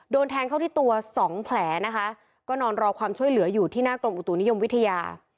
โดนแทงเข้าที่ตัวสองแผลนะคะก็นอนรอความช่วยเหลืออยู่ที่หน้ากรมอุตุนิยมวิทยา